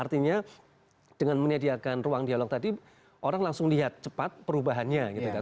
artinya dengan menyediakan ruang dialog tadi orang langsung lihat cepat perubahannya gitu kan